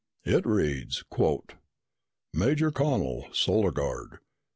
"It reads, quote, Major Connel, Solar Guard.